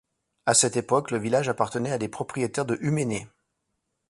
À cette époque, le village appartenait à des propriétaires de Humenné.